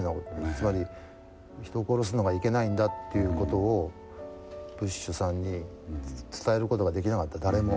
つまり、人を殺すのがいけないんだということをブッシュさんに伝えることが出来なかった誰も。